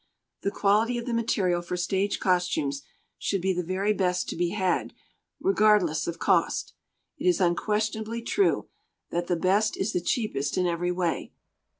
The quality of the material for stage costumes should be the very best to be had regardless of cost. It is unquestionably true that the best is the cheapest in every way.